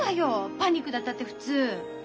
パニックだったって普通。